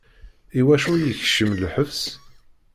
I wacu i yekcem lḥebs?